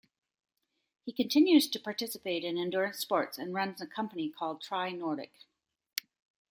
He continues to participate in endurance sports and runs a company called Tri Nordic.